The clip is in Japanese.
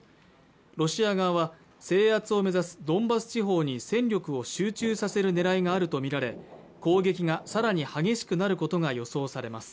ロシア側は制圧を目指すドンバス地方に戦力を集中させる狙いがあると見られ攻撃がさらに激しくなることが予想されます